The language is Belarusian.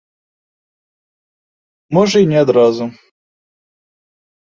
Можа і не адразу.